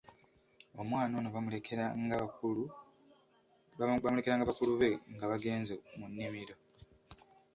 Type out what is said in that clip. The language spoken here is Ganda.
Omwana ono bamulekera nga bakulu be nga bagenze mu nnimiro.